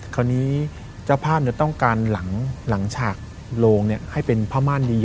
คราวนี้เจ้าผ้าเนี่ยต้องการหลังหลังฉากโลงให้เป็นผ้าม่านใหญ่